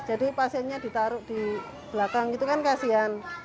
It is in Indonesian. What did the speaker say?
jadi pasiennya ditaruh di belakang itu kan kasihan